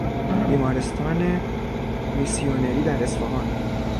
بیمارستان میسیونری در اصفهان